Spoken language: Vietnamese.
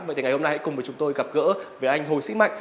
vậy thì ngày hôm nay hãy cùng với chúng tôi gặp gỡ với anh hồ sĩ mạnh